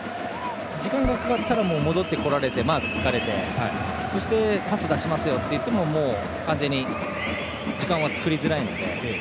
時間がかかったら戻ってきてマークにつかれてそしてパスを出しますといっても完全に時間は作りづらいので。